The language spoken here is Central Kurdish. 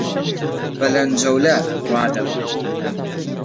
بەلەنجەولار ڕادەبرن